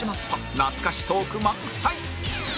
懐かしトーク満載！